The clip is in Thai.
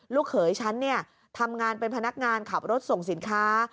เขยฉันเนี่ยทำงานเป็นพนักงานขับรถส่งสินค้า